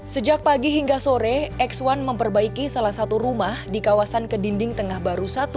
sejak pagi hingga sore x satu memperbaiki salah satu rumah di kawasan kedinding tengah baru satu